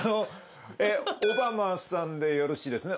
オバマさんでよろしいですね？